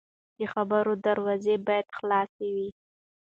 د خبرو دروازه باید خلاصه وي